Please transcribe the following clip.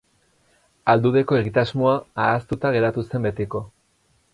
Aldudeko egitasmoa ahaztuta geratu zen betiko.